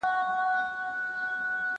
زه به د ښوونځي کتابونه مطالعه کړي وي؟!